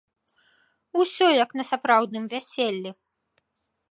Усё, як на сапраўдным вяселлі!